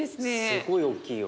すごい大きいよ。